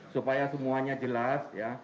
supaya semuanya jelas ya